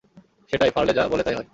সেটাই, ফার্লে যা বলে তাই হয়!